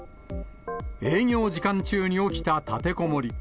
営業時間中に起きた立てこもり。